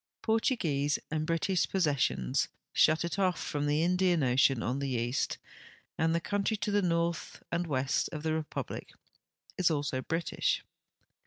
Portuguese and British possessions shut it off from the Indian ocean on the east, and the country to the north and west of the republic is also British.